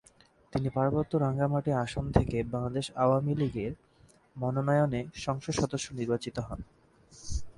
তিনি পার্বত্য রাঙ্গামাটি আসন থেকে বাংলাদেশ আওয়ামী লীগের মনোনয়নে সংসদ সদস্য নির্বাচিত হন।